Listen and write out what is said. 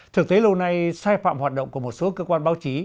thực tế lâu nay sai phạm hoạt động của một số cơ quan báo chí